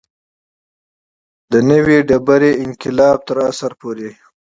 د نوې ډبرې انقلاب تر عصر پورې.